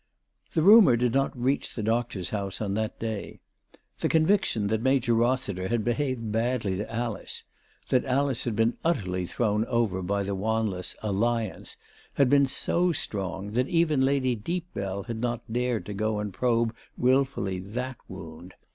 The rumour did not reach the doctor's house on that day. The conviction that Major Rossiter had behaved badly to Alice, that Alice had been utterly thrown over by the Wanless " alliance," had been so strong, that even Lady Deepbell had not dared to go and probe wilfully that wound.